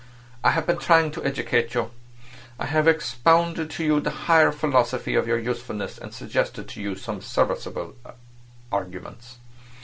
I have been trying to educate you; I have expounded to you the higher philosophy of your usefulness, and suggested to you some serviceable arguments.